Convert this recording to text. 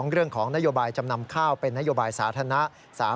เรื่องของนโยบายจำนำข้าวเป็นนโยบายสาธารณะ